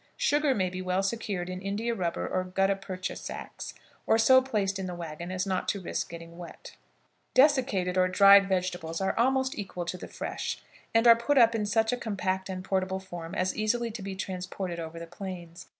Sugar may be well secured in India rubber or gutta percha sacks, or so placed in the wagon as not to risk getting wet. Desiccated or dried vegetables are almost equal to the fresh, and are put up in such a compact and portable form as easily to be transported over the plains.